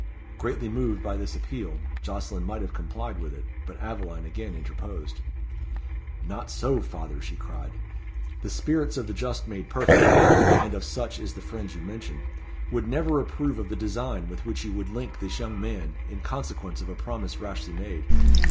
Greatly moved by this appeal, Jocelyn might have complied with it, but Aveline again interposed. "Not so, father," she cried. "The spirits of the just made perfect and of such is the friend you mention would never approve of the design with which you would link this young man, in consequence of a promise rashly made.